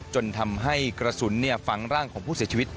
จนทำให้กระสุนฝังร่างของผู้เสียชีวิต